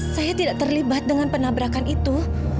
saya tidak terlibat dengan penabrakan itu